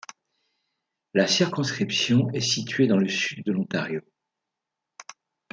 La circonscription est située dans le sud de l'Ontario.